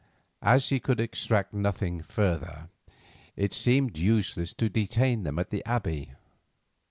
As he could extract nothing further, it seemed useless to detain them at the Abbey.